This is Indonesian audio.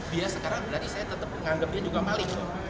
dia sekarang berarti saya tetap menganggap dia juga maling